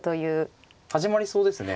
始まりそうですね。